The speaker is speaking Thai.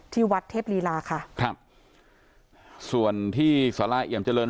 ที่วัดเทพลีลาค่ะครับส่วนที่สาราเอี่ยมเจริญ